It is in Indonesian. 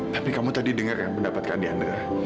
tapi kamu tadi denger yang pendapat kak diana